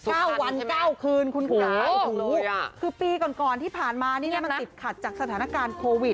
สุขภัณฑ์ดูคือปีก่อนก่อนที่ผ่านมานี่มันติดขัดจากสถานการณ์โควิด